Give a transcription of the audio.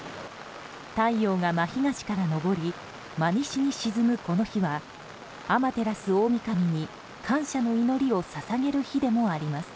太陽が真東から昇り真西に沈むこの日は天照大神に感謝の祈りを捧げる日でもあります。